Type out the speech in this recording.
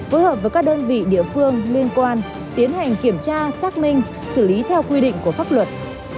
phối hợp với các đơn vị địa phương liên quan tiến hành kiểm tra xác minh xử lý theo quy định của pháp luật